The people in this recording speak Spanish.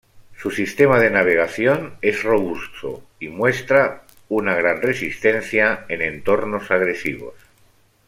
Su sistema de navegación es robusto y muestra una gran resistencia en entornos agresivos.